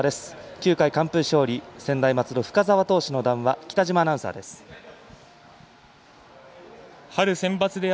９回完封勝利、専大松戸深沢投手の談話北嶋アナウンサーです。